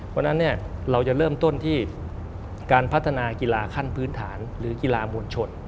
เพราะฉะนั้นเราจะเริ่มต้นที่การพัฒนากีฬาขั้นพื้นฐานหรือกีฬามวลชน